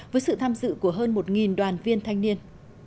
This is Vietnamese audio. với sự tham dự của hơn một đoàn viên thanh niên